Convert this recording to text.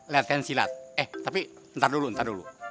latihan silat eh tapi ntar dulu ntar dulu